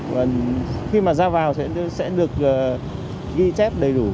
và khi mà ra vào thì sẽ được ghi chép đầy đủ